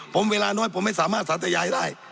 ผมเวลาน้อยผมไม่สามารถสัตยายได้